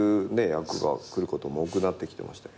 役が来ることも多くなってきてましたけど。